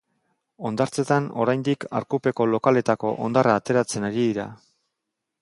Hondartzetan oraindik arkupeko lokaletako hondarra ateratzen ari dira.